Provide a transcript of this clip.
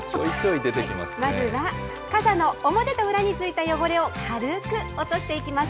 まずは傘の表と裏についた汚れを軽く落としていきます。